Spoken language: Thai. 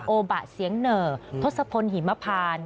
โอบะเสียงเหน่อทศพลหิมพาน